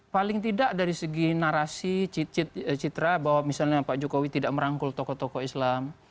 paling tidak dari segi narasi citra bahwa misalnya pak jokowi tidak merangkul tokoh tokoh islam